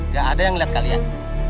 gak ada yang melihat kalian